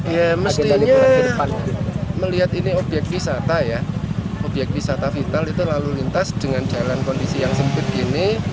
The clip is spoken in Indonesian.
ya mestinya melihat ini obyek wisata ya obyek wisata vital itu lalu lintas dengan jalan kondisi yang sempit gini